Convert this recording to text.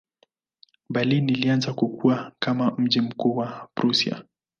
Berlin ilianza kukua kama mji mkuu wa Prussia.